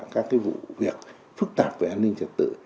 các vụ việc phức tạp về an ninh trật tự